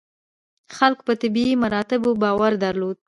خلکو په طبیعي مراتبو باور درلود.